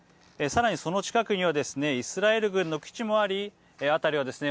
さらにその近くにはですねイスラエル軍の基地もあり辺りはですね